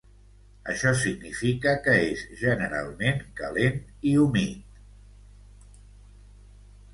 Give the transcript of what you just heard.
Això significa que és generalment calent i humit.